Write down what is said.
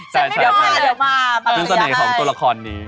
เสร็จไม่มาเลยเดี๋ยวมามาเรียกให้นึกเสน่ห์ของตัวละครนี้